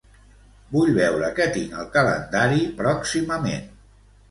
Vull veure què tinc al calendari pròximament.